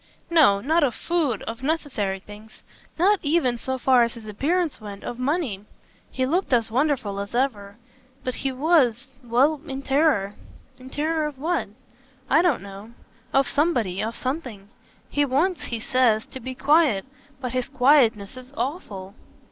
"No, not of food, of necessary things not even, so far as his appearance went, of money. He looked as wonderful as ever. But he was well, in terror." "In terror of what?" "I don't know. Of somebody of something. He wants, he says, to be quiet. But his quietness is awful."